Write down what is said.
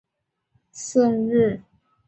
圣日尔曼德克莱雷弗伊尔。